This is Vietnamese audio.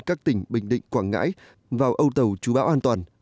các tỉnh bình định quảng ngãi vào âu tàu chú bão an toàn